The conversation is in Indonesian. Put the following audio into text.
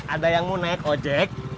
ada yang mau naik ojek